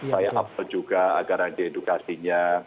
saya hafal juga agar ada yang diedukasinya